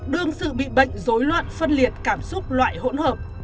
đương sự bị bệnh dối loạn phân liệt cảm xúc loại hỗn hợp